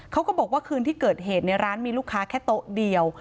เขาก็บอกว่าคืนที่เกิดเหตุในร้านมีลูกค้าแค่โต๊ะเดียว